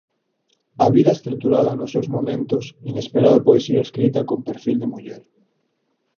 A vida estruturada nos seus momentos, inesperada Poesía escrita con perfil de muller.